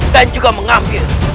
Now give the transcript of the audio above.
dan juga mengambil